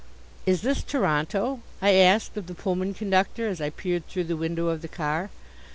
"Is this Toronto?" I asked of the Pullman conductor, as I peered through the window of the car.